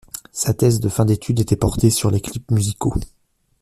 Sa thèse de fin d'étude était portée sur les clips musicaux.